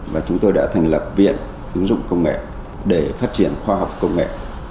và chúng tôi đã thành lập viện ứng dụng công nghệ để phát triển khoa học công nghệ